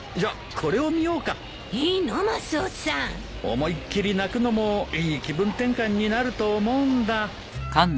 思いっ切り泣くのもいい気分転換になると思うんだ。